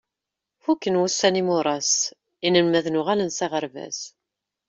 Fukken wussan n yimuras, inelmaden uɣalen s aɣerbaz.